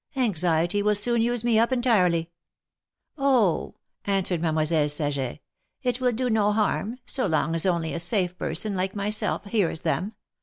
Anxiety will soon use me up entirely." "Oh!" answered Mademoiselle Saget, "it will do no harm, so long as only a safe person, like myself, hears them.